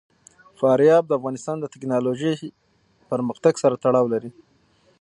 فاریاب د افغانستان د تکنالوژۍ پرمختګ سره تړاو لري.